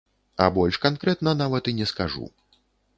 А больш канкрэтна нават і не скажу.